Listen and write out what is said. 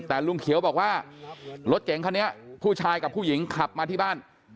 แต่ลุงเขียวบอกว่ารถเก๋งคันนี้ผู้ชายกับผู้หญิงขับมาที่บ้าน